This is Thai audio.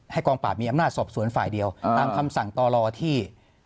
กองปราบมีอำนาจสอบสวนฝ่ายเดียวตามคำสั่งต่อรอที่